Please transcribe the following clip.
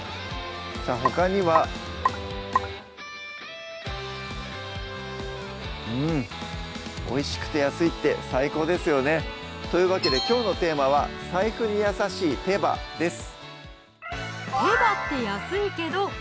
さぁほかにはうんおいしくて安いって最高ですよねというわけできょうのテーマは「財布にやさしい手羽」です